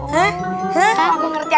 gak aku ngerti ya